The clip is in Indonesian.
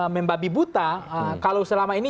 membabi buta kalau selama ini